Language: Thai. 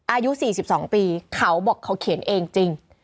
อายุ๔๒ปีเขาบอกเขาเขียนเองจริง